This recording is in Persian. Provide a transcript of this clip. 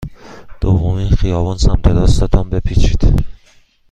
دومین خیابان سمت راست تان بپیچید.